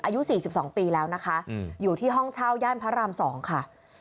อายุ๔๒ปีแล้วนะคะอยู่ที่ห้องเช่าย่านพระราม๒ค่ะ